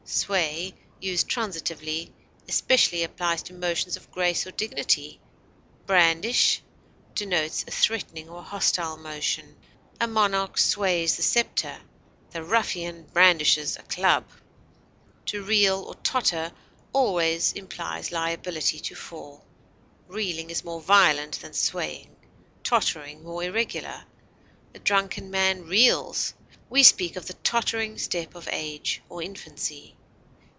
Sway used transitively especially applies to motions of grace or dignity; brandish denotes a threatening or hostile motion; a monarch sways the scepter; the ruffian brandishes a club. To reel or totter always implies liability to fall; reeling is more violent than swaying, tottering more irregular; a drunken man reels; we speak of the tottering step of age or infancy.